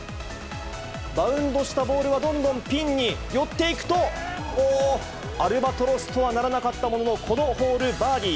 バウンドしたボールはどんどんピンに寄っていくと、おー、アルバトロスとはならなかったもののこのホール、バーディー。